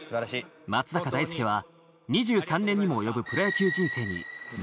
松坂大輔は２３年にも及ぶプロ野球人生に幕を下ろした。